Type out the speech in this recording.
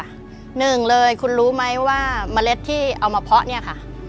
หนึ่งเลยคุณรู้ไหมว่าเมล็ดที่เอามาเพาะเนี่ยค่ะ